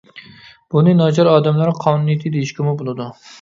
بۇنى ناچار ئادەملەر قانۇنىيىتى دېيىشكىمۇ بولىدۇ.